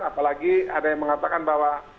apalagi ada yang mengatakan bahwa